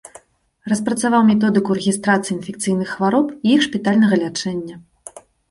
Распрацаваў методыку рэгістрацыі інфекцыйных хвароб і іх шпітальнага лячэння.